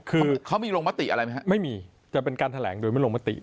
คือเขามีลงมติอะไรไหมครับไม่มีจะเป็นการแถลงโดยไม่ลงมติ